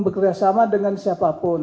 bekerjasama dengan siapapun